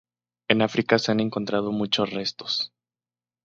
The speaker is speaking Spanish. En África se han encontrado muchos restos.